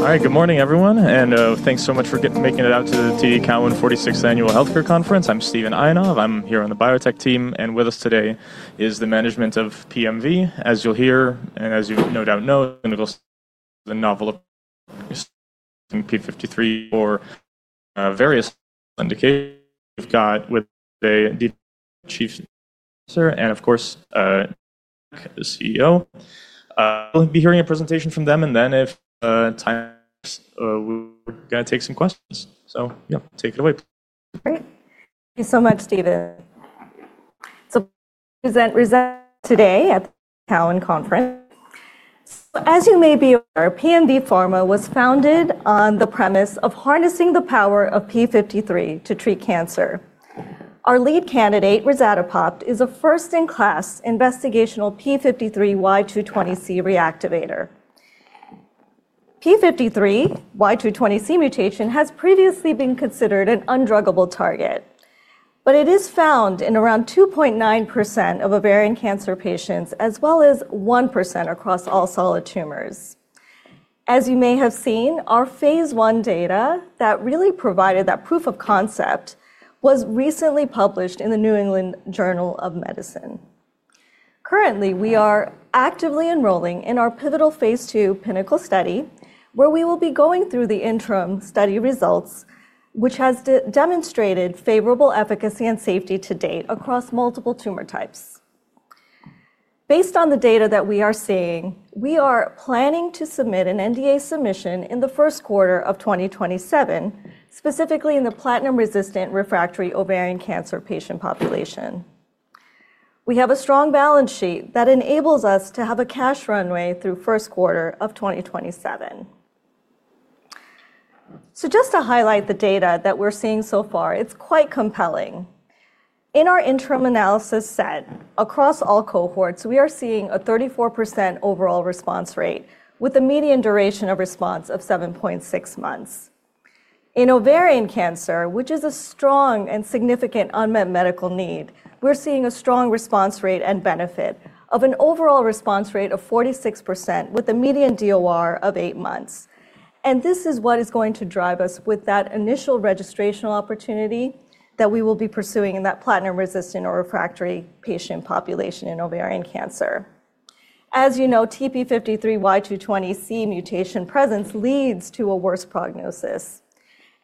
All right. Good morning, everyone, and thanks so much for making it out to the TD Cowen 46th Annual Healthcare Conference. I'm Steven Iannone. I'm here on the biotech team, and with us today is the management of PMV. As you'll hear, and as you no doubt know, and it goes the novel p53 or various we've got with the chief sir and of course, the CEO. We'll be hearing a presentation from them, and then if time, we're gonna take some questions. Yeah, take it away. Great. Thank you so much, Steven. Present result today at Cowen Conference. As you may be aware, PMV Pharma was founded on the premise of harnessing the power of P53 to treat cancer. Our lead candidate, rezatapopt, is a first-in-class investigational P53 Y220C reactivator. P53 Y220C mutation has previously been considered an undruggable target, but it is found in around 2.9% of ovarian cancer patients as well as 1% across all solid tumors. As you may have seen, our phase 1 data that really provided that proof of concept was recently published in the New England Journal of Medicine. Currently, we are actively enrolling in our pivotal phase 2 PYNNACLE study where we will be going through the interim study results, which has demonstrated favorable efficacy and safety to date across multiple tumor types. Based on the data that we are seeing, we are planning to submit an NDA submission in the first quarter of 2027, specifically in the platinum-resistant refractory ovarian cancer patient population. We have a strong balance sheet that enables us to have a cash runway through first quarter of 2027. Just to highlight the data that we're seeing so far, it's quite compelling. In our interim analysis set, across all cohorts, we are seeing a 34% overall response rate with a median duration of response of 7.6 months. In ovarian cancer, which is a strong and significant unmet medical need, we're seeing a strong response rate and benefit of an overall response rate of 46% with a median DOR of eight months. This is what is going to drive us with that initial registrational opportunity that we will be pursuing in that platinum-resistant or refractory patient population in ovarian cancer. As you know, TP53 Y220C mutation presence leads to a worse prognosis.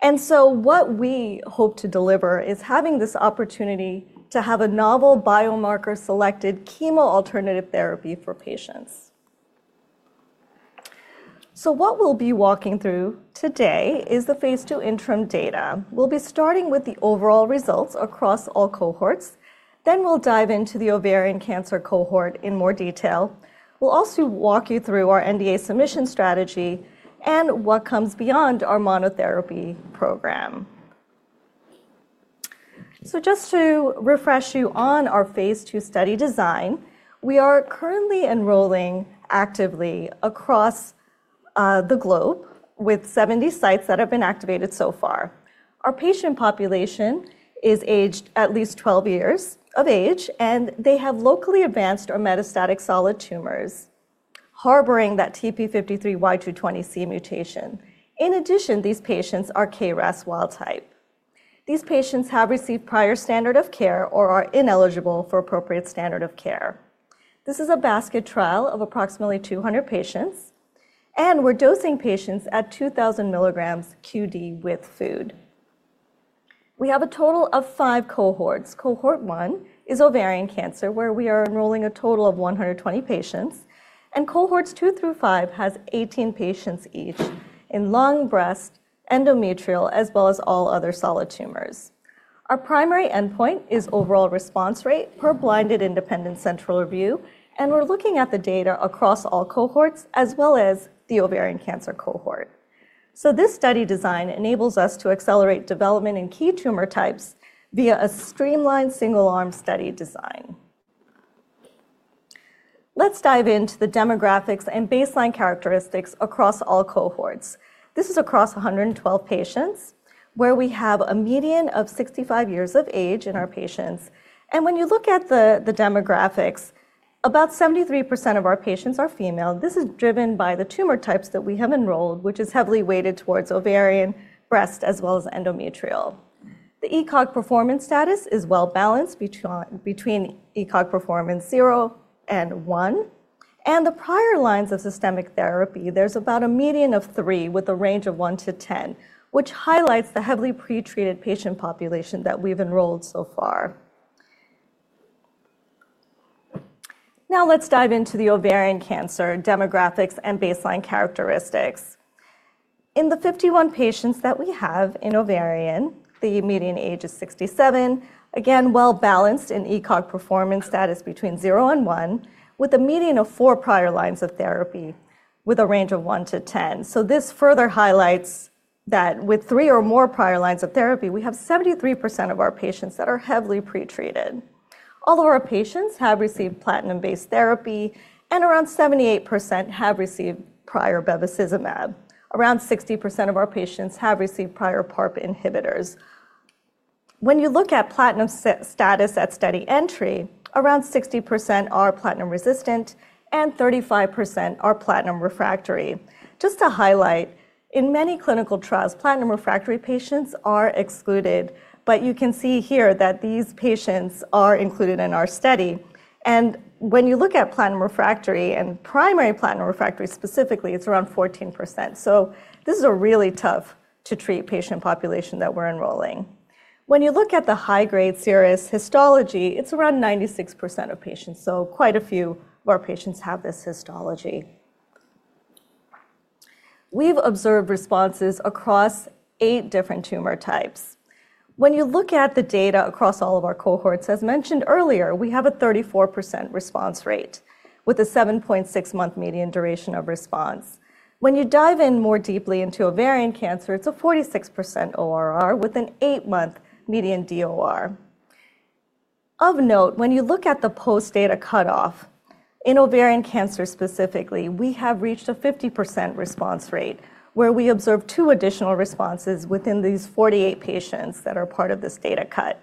What we hope to deliver is having this opportunity to have a novel biomarker selected chemo alternative therapy for patients. What we'll be walking through today is the phase 2 interim data. We'll dive into the ovarian cancer cohort in more detail. We'll also walk you through our NDA submission strategy and what comes beyond our monotherapy program. Just to refresh you on our phase 2 study design, we are currently enrolling actively across the globe with 70 sites that have been activated so far. Our patient population is aged at least 12 years of age, and they have locally advanced or metastatic solid tumors harboring that TP53 Y220C mutation. In addition, these patients are KRAS wild-type. These patients have received prior standard of care or are ineligible for appropriate standard of care. This is a basket trial of approximately 200 patients, and we're dosing patients at 2,000 milligrams QD with food. We have a total of 5 cohorts. Cohort 1 is ovarian cancer, where we are enrolling a total of 120 patients, and cohorts 2 through 5 has 18 patients each in lung, breast, endometrial, as well as all other solid tumors. Our primary endpoint is overall response rate per blinded independent central review, and we're looking at the data across all cohorts as well as the ovarian cancer cohort. This study design enables us to accelerate development in key tumor types via a streamlined single-arm study design. Let's dive into the demographics and baseline characteristics across all cohorts. This is across 112 patients, where we have a median of 65 years of age in our patients. When you look at the demographics, about 73% of our patients are female. This is driven by the tumor types that we have enrolled, which is heavily weighted towards ovarian, breast, as well as endometrial. The ECOG performance status is well-balanced between ECOG performance zero and one. The prior lines of systemic therapy, there's about a median of 3 with a range of 1-10, which highlights the heavily pretreated patient population that we've enrolled so far. Let's dive into the ovarian cancer demographics and baseline characteristics. In the 51 patients that we have in ovarian, the median age is 67, again, well balanced in ECOG performance status between zero and one, with a median of four prior lines of therapy with a range of 1-10. This further highlights that with three or more prior lines of therapy, we have 73% of our patients that are heavily pretreated. All of our patients have received platinum-based therapy, and around 78% have received prior bevacizumab. Around 60% of our patients have received prior PARP inhibitors. You look at platinum status at study entry, around 60% are platinum-resistant and 35% are platinum-refractory. Just to highlight, in many clinical trials, platinum-refractory patients are excluded, you can see here that these patients are included in our study. When you look at platinum refractory and primary platinum refractory specifically, it's around 14%. This is a really tough to treat patient population that we're enrolling. When you look at the high-grade serous histology, it's around 96% of patients, so quite a few of our patients have this histology. We've observed responses across 8 different tumor types. When you look at the data across all of our cohorts, as mentioned earlier, we have a 34% response rate with a 7.6-month median duration of response. When you dive in more deeply into ovarian cancer, it's a 46% ORR with an eight-month median DOR. Of note, when you look at the post-data cutoff, in ovarian cancer specifically, we have reached a 50% response rate, where we observed two additional responses within these 48 patients that are part of this data cut.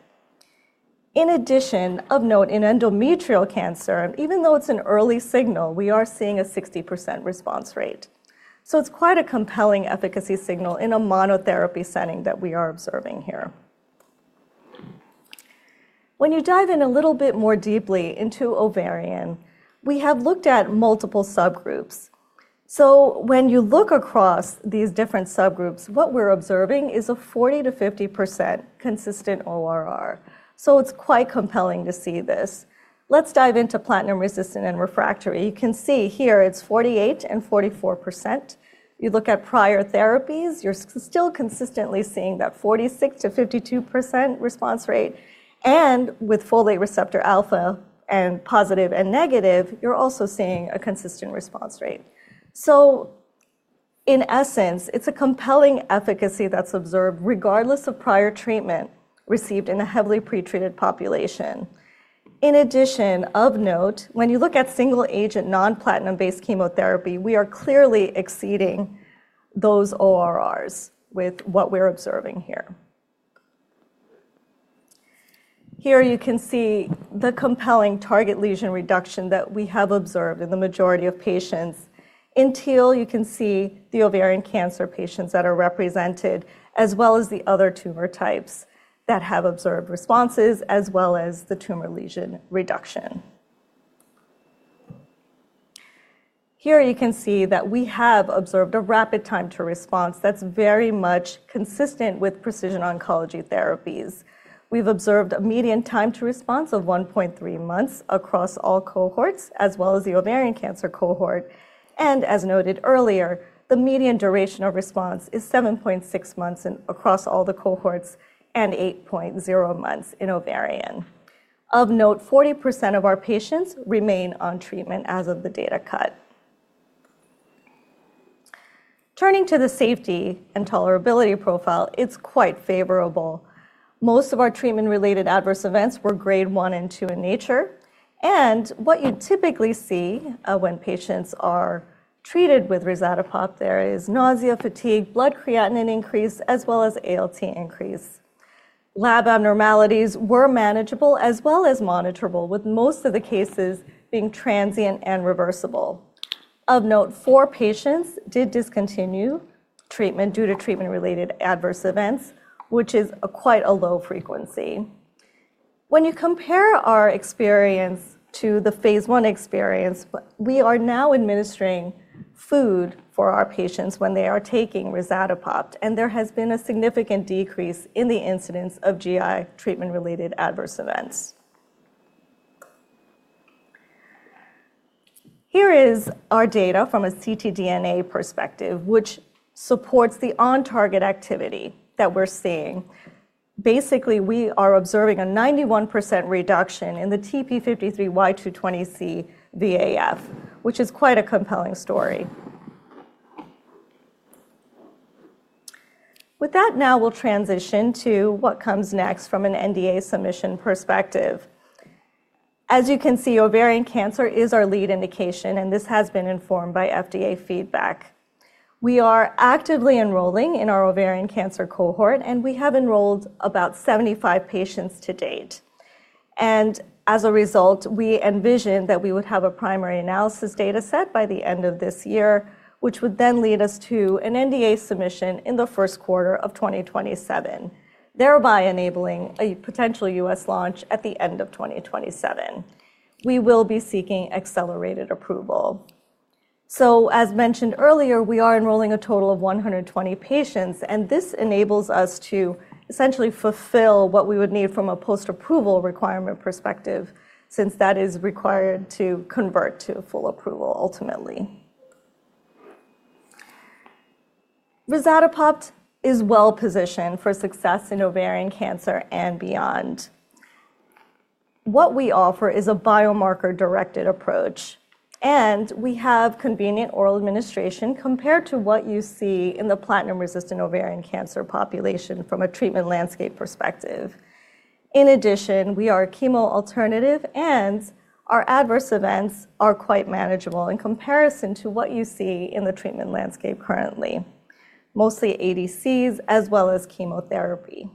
Of note, in endometrial cancer, even though it's an early signal, we are seeing a 60% response rate. It's quite a compelling efficacy signal in a monotherapy setting that we are observing here. When you dive in a little bit more deeply into ovarian, we have looked at multiple subgroups. When you look across these different subgroups, what we're observing is a 40%-50% consistent ORR. It's quite compelling to see this. Let's dive into platinum-resistant and refractory. You can see here it's 48% and 44%. You look at prior therapies, you're still consistently seeing that 46%-52% response rate. With folate receptor alpha and positive and negative, you're also seeing a consistent response rate. In essence, it's a compelling efficacy that's observed regardless of prior treatment received in a heavily pretreated population. In addition, of note, when you look at single agent non-platinum-based chemotherapy, we are clearly exceeding those ORRs with what we're observing here. Here you can see the compelling target lesion reduction that we have observed in the majority of patients. In teal, you can see the ovarian cancer patients that are represented, as well as the other tumor types that have observed responses, as well as the tumor lesion reduction. Here you can see that we have observed a rapid time to response that's very much consistent with precision oncology therapies. We've observed a median time to response of 1.3 months across all cohorts, as well as the ovarian cancer cohort. As noted earlier, the median duration of response is 7.6 months across all the cohorts and 8.0 months in ovarian. Of note, 40% of our patients remain on treatment as of the data cut. Turning to the safety and tolerability profile, it's quite favorable. Most of our treatment-related adverse events were grade one and two in nature. What you typically see, when patients are treated with rezetapopt, there is nausea, fatigue, blood creatinine increase, as well as ALT increase. Lab abnormalities were manageable as well as monitorable, with most of the cases being transient and reversible. Of note, four patients did discontinue treatment due to treatment-related adverse events, which is a quite a low frequency. When you compare our experience to the phase 1 experience, we are now administering food for our patients when they are taking rezetapopt, and there has been a significant decrease in the incidence of GI treatment-related adverse events. Here is our data from a ctDNA perspective, which supports the on-target activity that we're seeing. Basically, we are observing a 91% reduction in the TP53 Y220C VAF, which is quite a compelling story. With that now we'll transition to what comes next from an NDA submission perspective. As you can see, ovarian cancer is our lead indication. This has been informed by FDA feedback. We are actively enrolling in our ovarian cancer cohort. We have enrolled about 75 patients to date. As a result, we envision that we would have a primary analysis data set by the end of this year, which would then lead us to an NDA submission in the 1st quarter of 2027, thereby enabling a potential U.S. launch at the end of 2027. We will be seeking accelerated approval. As mentioned earlier, we are enrolling a total of 120 patients, and this enables us to essentially fulfill what we would need from a post-approval requirement perspective, since that is required to convert to full approval ultimately. rezatapopt is well-positioned for success in ovarian cancer and beyond. What we offer is a biomarker-directed approach, we have convenient oral administration compared to what you see in the platinum-resistant ovarian cancer population from a treatment landscape perspective. In addition, we are a chemo alternative and our adverse events are quite manageable in comparison to what you see in the treatment landscape currently, mostly ADCs as well as chemotherapy.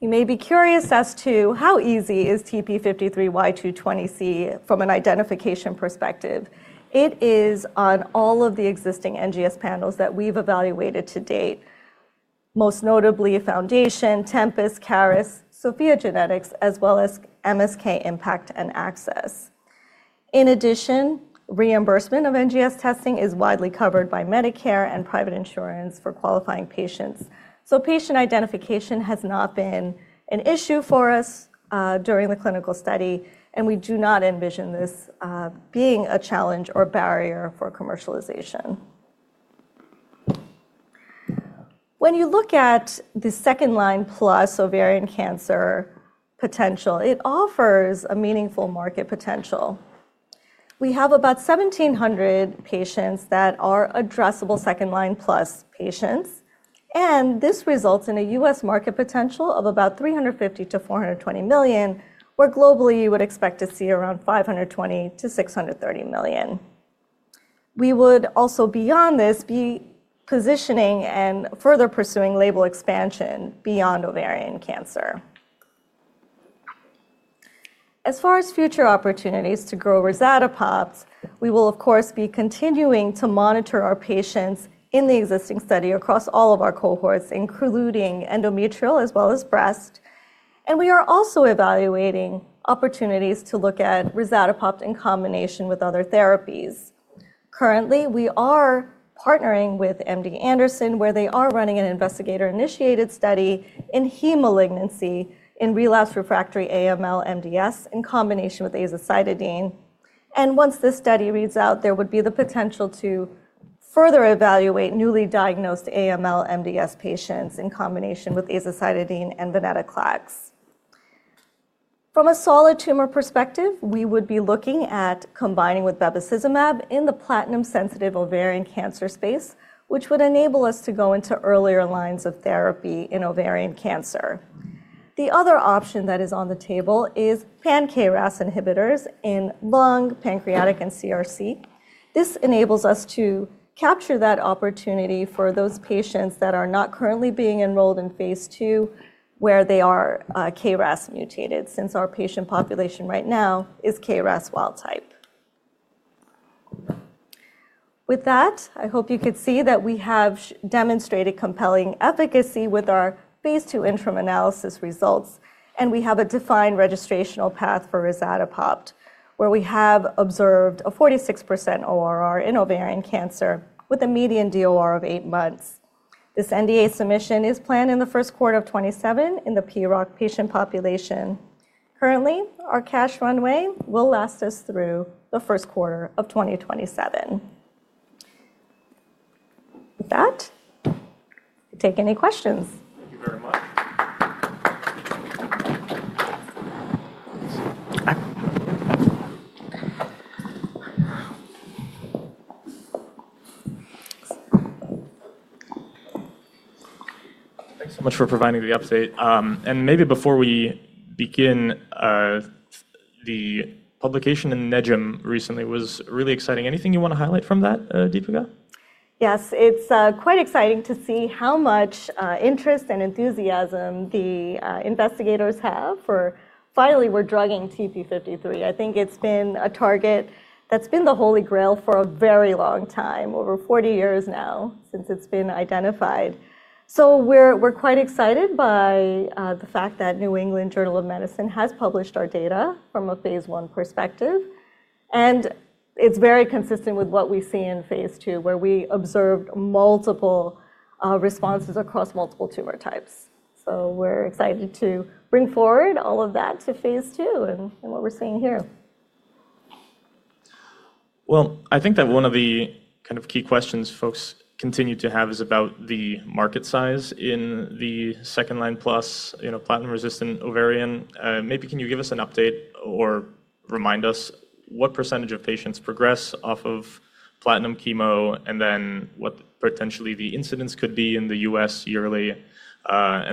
You may be curious as to how easy is TP53 Y220C from an identification perspective. It is on all of the existing NGS panels that we've evaluated to date, most notably Foundation, Tempus, Caris, SOPHiA GENETICS, as well as MSK-IMPACT and MSK-ACCESS. Reimbursement of NGS testing is widely covered by Medicare and private insurance for qualifying patients. Patient identification has not been an issue for us during the clinical study, and we do not envision this being a challenge or barrier for commercialization. When you look at the second-line plus ovarian cancer potential, it offers a meaningful market potential. We have about 1,700 patients that are addressable second-line plus patients, and this results in a US market potential of about $350 million-$420 million, where globally you would expect to see around $520 million-$630 million. We would also, beyond this, be positioning and further pursuing label expansion beyond ovarian cancer. As far as future opportunities to grow rezatapopt, we will of course be continuing to monitor our patients in the existing study across all of our cohorts, including endometrial as well as breast. We are also evaluating opportunities to look at rezatapopt in combination with other therapies. Currently, we are partnering with MD Anderson, where they are running an investigator-initiated study in heme malignancy in relapsed refractory AML/MDS in combination with azacitidine. Once this study reads out, there would be the potential to further evaluate newly diagnosed AML/MDS patients in combination with azacitidine and venetoclax. From a solid tumor perspective, we would be looking at combining with bevacizumab in the platinum-sensitive ovarian cancer space, which would enable us to go into earlier lines of therapy in ovarian cancer. The other option that is on the table is pan-KRAS inhibitors in lung, pancreatic, and CRC. This enables us to capture that opportunity for those patients that are not currently being enrolled in phase 2, where they are KRAS mutated, since our patient population right now is KRAS wild-type. With that, I hope you could see that we have demonstrated compelling efficacy with our phase 2 interim analysis results, and we have a defined registrational path for rezatapopt, where we have observed a 46% ORR in ovarian cancer with a median DOR of eight months. This NDA submission is planned in the first quarter of 2027 in the PROC patient population. Currently, our cash runway will last us through the first quarter of 2027. With that, take any questions. Thank you very much. Thanks so much for providing the update. Maybe before we begin, the publication in NEJM recently was really exciting. Anything you want to highlight from that, Deepika? Yes. It's quite exciting to see how much interest and enthusiasm the investigators have for finally we're drugging TP53. I think it's been a target that's been the holy grail for a very long time, over 40 years now, since it's been identified. We're quite excited by the fact that New England Journal of Medicine has published our data from a phase one perspective, and it's very consistent with what we see in phase two, where we observed multiple responses across multiple tumor types. We're excited to bring forward all of that to phase two and what we're seeing here. I think that one of the kind of key questions folks continue to have is about the market size in the second-line plus, you know, platinum-resistant ovarian. Maybe can you give us an update or remind us what % of patients progress off of platinum chemo. Then what potentially the incidence could be in the U.S. yearly.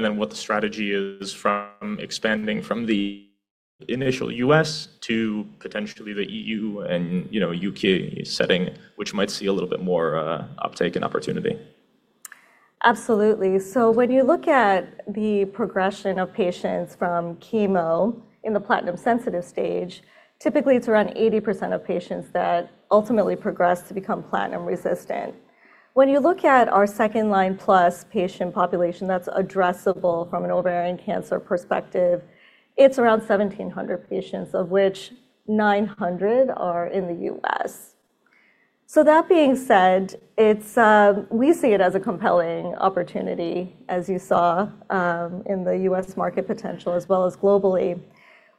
Then what the strategy is from expanding from the initial U.S. to potentially the EU and, you know, U.K. setting, which might see a little bit more uptake and opportunity? Absolutely. When you look at the progression of patients from chemo in the platinum sensitive stage, typically it's around 80% of patients that ultimately progress to become platinum-resistant. When you look at our second-line plus patient population that's addressable from an ovarian cancer perspective, it's around 1,700 patients, of which 900 are in the U.S. That being said, it's, we see it as a compelling opportunity, as you saw, in the U.S. market potential as well as globally.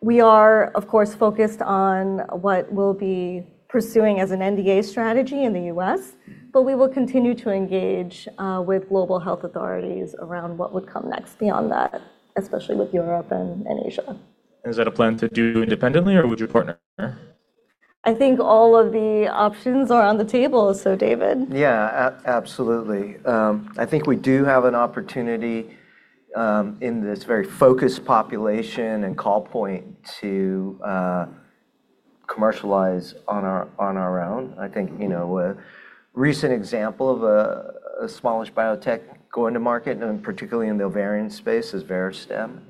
We are, of course, focused on what we'll be pursuing as an NDA strategy in the U.S., but we will continue to engage with global health authorities around what would come next beyond that, especially with Europe and Asia. Is that a plan to do independently, or would you partner? I think all of the options are on the table. David? Yeah, absolutely. I think we do have an opportunity in this very focused population and call point to commercialize on our, on our own. I think, you know, a recent example of a smallish biotech going to market, and particularly in the ovarian space, is Verastem.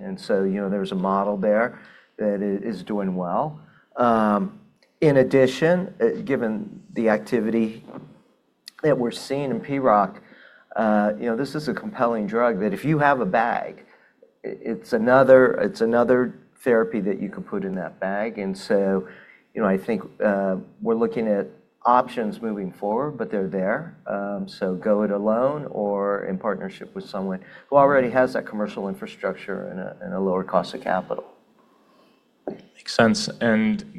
You know, there's a model there that is doing well. In addition, given the activity that we're seeing in PROC, you know, this is a compelling drug that if you have a bag, it's another, it's another therapy that you can put in that bag. You know, I think, we're looking at options moving forward, but they're there, so go it alone or in partnership with someone who already has that commercial infrastructure and a, and a lower cost of capital. Makes sense.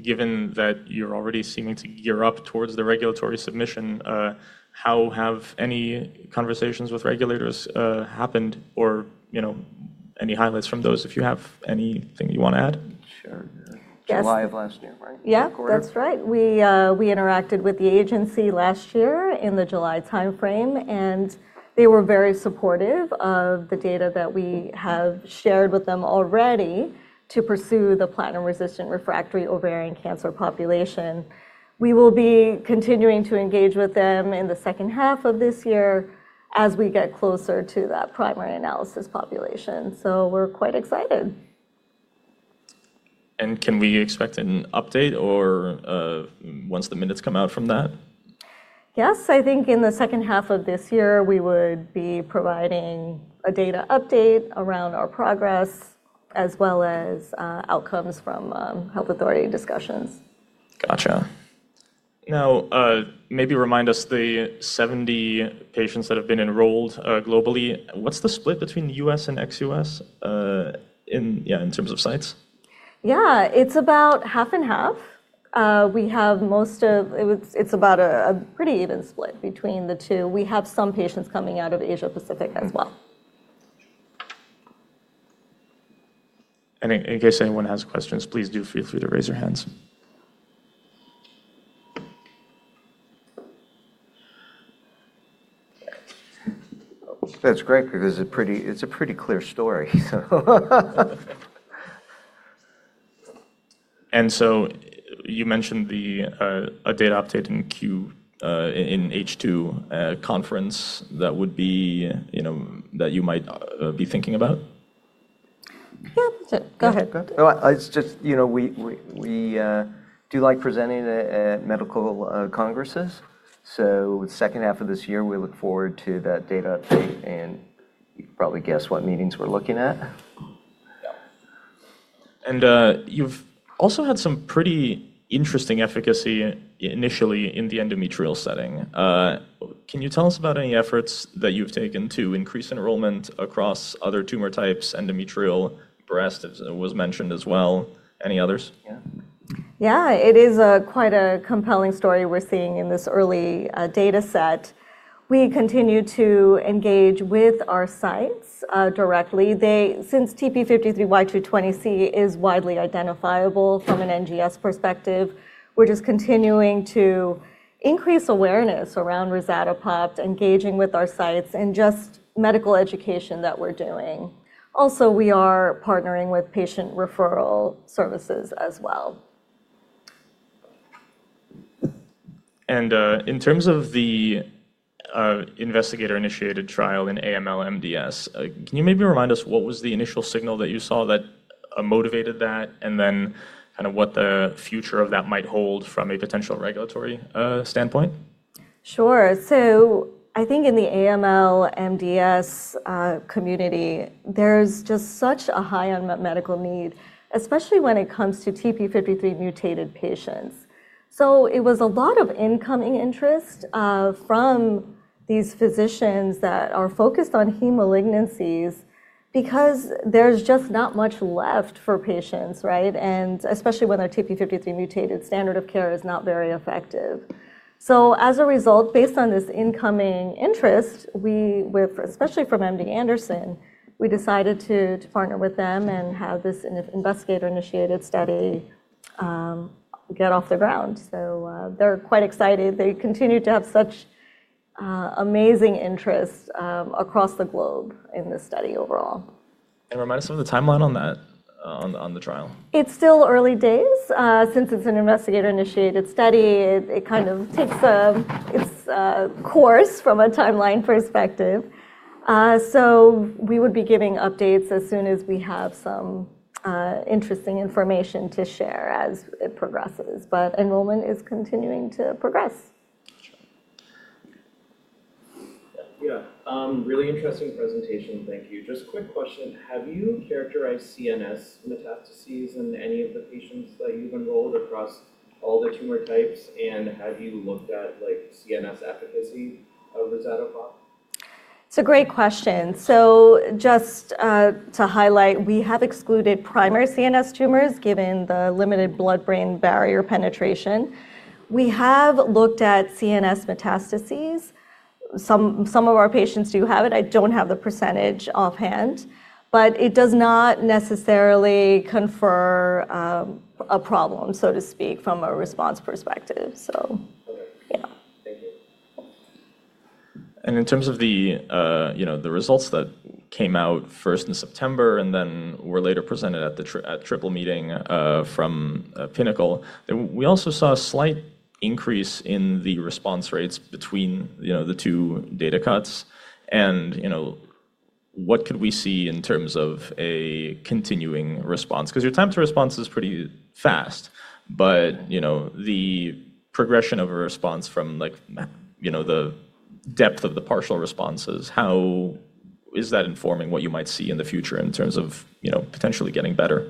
Given that you're already seeming to gear up towards the regulatory submission, how have any conversations with regulators happened? You know, any highlights from those if you have anything you wanna add? Sure. Yeah. Yes. July of last year, right? That's right. We interacted with the agency last year in the July timeframe. They were very supportive of the data that we have shared with them already to pursue the platinum-resistant refractory ovarian cancer population. We will be continuing to engage with them in the second half of this year as we get closer to that primary analysis population. We're quite excited. Can we expect an update or, once the minutes come out from that? Yes. I think in the second half of this year, we would be providing a data update around our progress as well as outcomes from health authority discussions. Gotcha. Now, maybe remind us the 70 patients that have been enrolled, globally, what's the split between US and ex-US, in, yeah, in terms of sites? Yeah. It's about half and half. It's about a pretty even split between the two. We have some patients coming out of Asia-Pacific as well. In case anyone has questions, please do feel free to raise your hands. That's great because it's a pretty clear story, so. You mentioned the, a data update in Q, in H2, a conference that would be, you know, that you might, be thinking about. Yeah. That's it. Go ahead. Go ahead. It's just, you know, we do like presenting at medical congresses. Second half of this year, we look forward to that data update. You can probably guess what meetings we're looking at. You've also had some pretty interesting efficacy initially in the endometrial setting. Can you tell us about any efforts that you've taken to increase enrollment across other tumor types, endometrial, breast as was mentioned as well, any others? Yeah. Yeah. It is a quite a compelling story we're seeing in this early data set. We continue to engage with our sites directly. Since TP53Y220C is widely identifiable from an NGS perspective, we're just continuing to increase awareness around rezatapopt, engaging with our sites, and just medical education that we're doing. Also, we are partnering with patient referral services as well. In terms of the investigator-initiated trial in AML/MDS, can you maybe remind us what was the initial signal that you saw that motivated that and then kind of what the future of that might hold from a potential regulatory standpoint? Sure. I think in the AML/MDS community, there's just such a high unmet medical need, especially when it comes to TP53 mutated patients. It was a lot of incoming interest from these physicians that are focused on heme malignancies because there's just not much left for patients, right? And especially when they're TP53 mutated, standard of care is not very effective. As a result, based on this incoming interest, we especially from MD Anderson, we decided to partner with them and have this investigator-initiated study get off the ground. They're quite excited. They continue to have such amazing interest across the globe in this study overall. Remind us of the timeline on that, on the trial. It's still early days. Since it's an investigator-initiated study, it kind of takes its course from a timeline perspective. We would be giving updates as soon as we have some interesting information to share as it progresses. Enrollment is continuing to progress. Sure. Yeah. really interesting presentation. Thank you. Just a quick question. Have you characterized CNS metastases in any of the patients that you've enrolled across all the tumor types? Have you looked at, like, CNS efficacy of rezatapopt? It's a great question. Just to highlight, we have excluded primary CNS tumors given the limited blood-brain barrier penetration. We have looked at CNS metastases. Some of our patients do have it. I don't have the percentage offhand, but it does not necessarily confer a problem, so to speak, from a response perspective. Okay. Yeah. Thank you. In terms of the, you know, the results that came out first in September and were later presented at the triple meeting, from PYNNACLE, we also saw a slight increase in the response rates between, you know, the two data cuts and, you know, what could we see in terms of a continuing response? 'Cause your time to response is pretty fast, but, you know, the progression of a response from, like, you know, the depth of the partial responses, how is that informing what you might see in the future in terms of, you know, potentially getting better?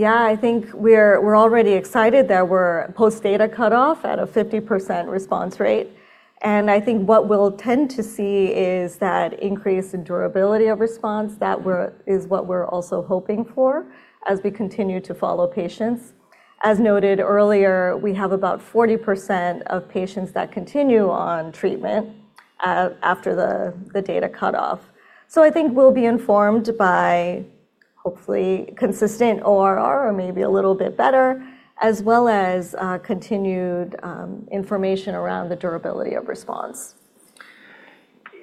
Yeah. I think we're already excited that we're post data cutoff at a 50% response rate, and I think what we'll tend to see is that increase in durability of response. We're also hoping for as we continue to follow patients. As noted earlier, we have about 40% of patients that continue on treatment after the data cutoff. I think we'll be informed by, hopefully, consistent ORR or maybe a little bit better, as well as continued information around the durability of response.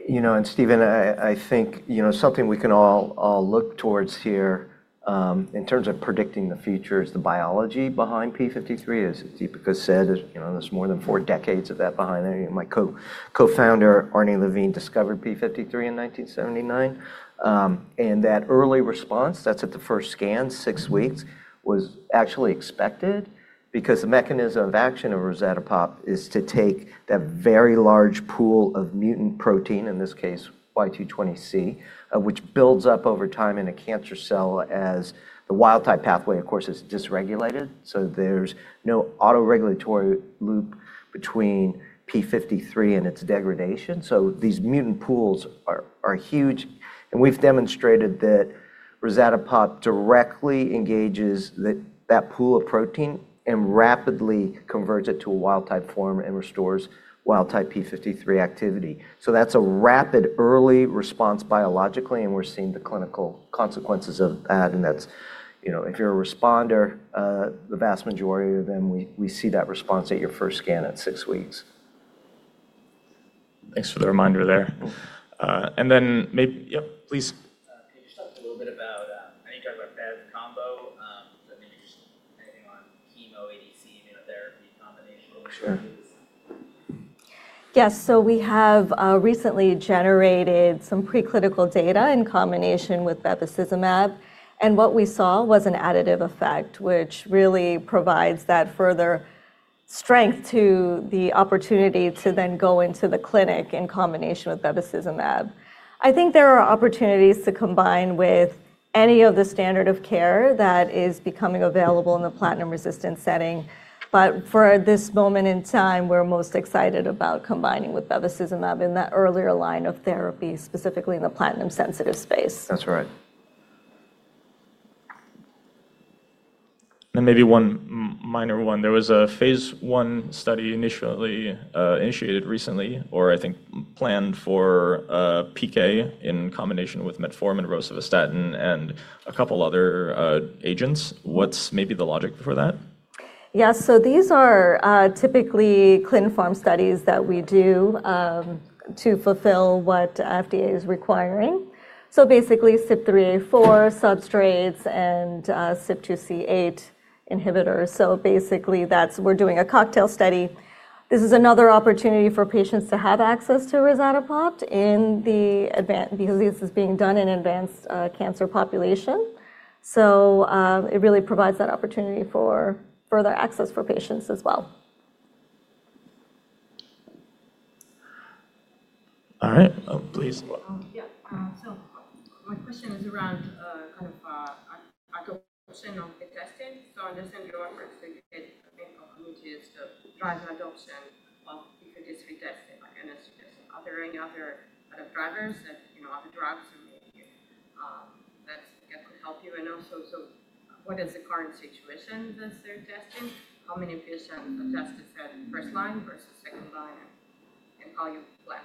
You know, Steven, I think, you know, something we can all look towards here, in terms of predicting the future is the biology behind P53. As Deepika said, there's, you know, there's more than 4 decades of that behind me. My co-founder, Arnold Levine, discovered P53 in 1979. That early response, that's at the first scan, six weeks, was actually expected because the mechanism of action of rezatapopt is to take that very large pool of mutant protein, in this case Y220C, which builds up over time in a cancer cell as the wild-type pathway, of course, is dysregulated. There's no autoregulatory loop between P53 and its degradation. These mutant pools are huge, and we've demonstrated that rezatapopt directly engages that pool of protein and rapidly converts it to a wild-type form and restores wild-type p53 activity. That's a rapid early response biologically, and we're seeing the clinical consequences of that, and that's, you know, if you're a responder, the vast majority of them, we see that response at your first scan at six weeks. Thanks for the reminder there. Then yep, please. Can you just talk a little bit about, I know you talked about bev combo, but maybe just anything on chemo ADC immunotherapy combination opportunities? Sure. Yes. We have recently generated some preclinical data in combination with bevacizumab, and what we saw was an additive effect, which really provides that further strength to the opportunity to then go into the clinic in combination with bevacizumab. I think there are opportunities to combine with any of the standard of care that is becoming available in the platinum-resistant setting. For this moment in time, we're most excited about combining with bevacizumab in that earlier line of therapy, specifically in the platinum-sensitive space. That's right. Maybe one minor one. There was a phase I study initially initiated recently, or I think planned for PK in combination with metformin, rosuvastatin, and a couple other agents. What's maybe the logic for that? These are typically clinical pharmacology studies that we do to fulfill what FDA is requiring. Basically, CYP3A4 substrates and CYP2C8 inhibitors. Basically, we're doing a cocktail study. This is another opportunity for patients to have access to rezatapopt because this is being done in advanced cancer population. It really provides that opportunity for further access for patients as well. All right. Oh, please. Yeah. So my question is around, kind of, adoption of the testing. So I understand you are working with opportunities to drive adoption of p53 testing. Are there any other drivers that, you know, other drugs or maybe that would help you? What is the current situation with this testing? How many patients are tested at first-line versus second-line, and how you plan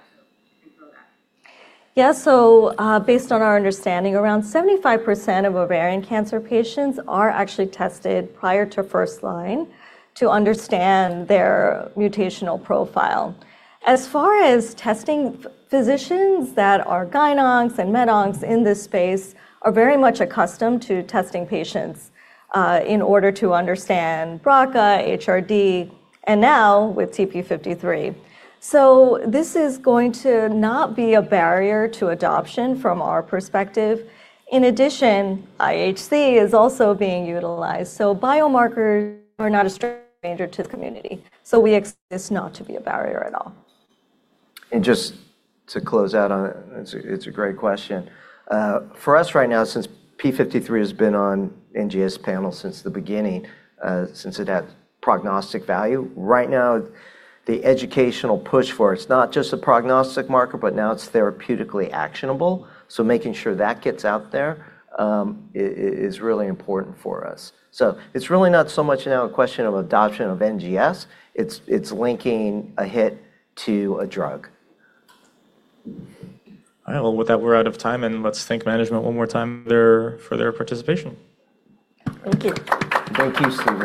to improve that? Based on our understanding, around 75% of ovarian cancer patients are actually tested prior to first line to understand their mutational profile. As far as testing, physicians that are Gyn Oncs and Med Oncs in this space are very much accustomed to testing patients in order to understand BRCA, HRD, and now with TP53. This is going to not be a barrier to adoption from our perspective. In addition, IHC is also being utilized, so biomarkers are not a stranger to the community. We expect this not to be a barrier at all. Just to close out on it's, it's a great question. For us right now, since p53 has been on NGS panel since the beginning, since it had prognostic value, right now the educational push for it's not just a prognostic marker, but now it's therapeutically actionable, so making sure that gets out there, is really important for us. It's really not so much now a question of adoption of NGS, it's linking a hit to a drug. All right. Well, with that, we're out of time. Let's thank management one more time for their participation. Thank you. Thank you, Steven.